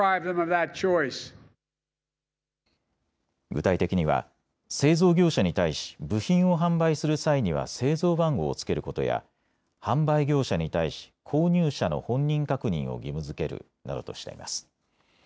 具体的には製造業者に対し部品を販売する際には製造番号をつけることや販売業者に対し購入者の本人確認を義務づけるなどとしています。